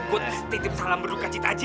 gue titip salam berdukacit aja